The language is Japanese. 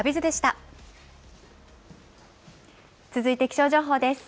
続いて気象情報です。